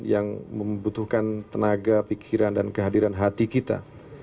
yang membutuhkan tenaga pikiran dan kehadiran hati kita